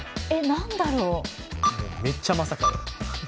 めっちゃまさかよ。